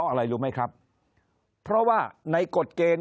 คนในวงการสื่อ๓๐องค์กร